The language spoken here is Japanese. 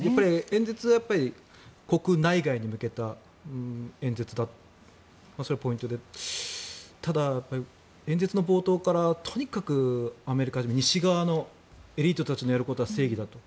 演説はやっぱり国内外に向けた演説でそれがポイントでただ、演説の冒頭からとにかくアメリカや西側のエリートたちのやることは正義だと。